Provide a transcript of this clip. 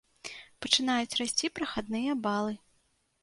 Пачынаюць расці прахадныя балы.